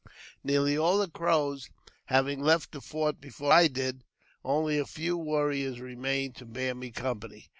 Nearly all the Crows having left the fort before I did, only few warriors remained to bear me company.